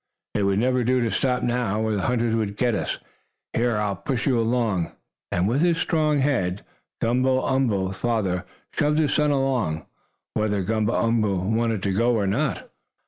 It would never do to stop now, or the hunters would get us. Here, I'll push you along," and with his strong head, Gumble umble's father shoved his son along, whether Gumble umble wanted to go or not.